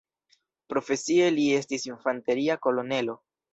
Profesie li estis infanteria kolonelo.